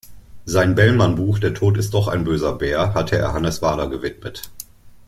Sein Bellman-Buch "Der Tod ist doch ein böser Bär" hatte er Hannes Wader gewidmet.